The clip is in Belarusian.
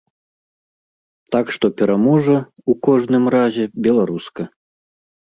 Так што пераможа, у кожным разе, беларуска.